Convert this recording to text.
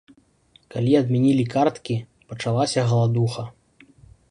Калі адмянілі карткі, пачалася галадуха.